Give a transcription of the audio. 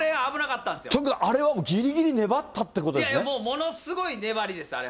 あれはぎりぎり粘ったってこいや、ものすごい粘りです、あれ。